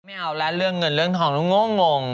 ไม่เอาแล้วเรื่องเงินเรื่องทองแล้วง่วง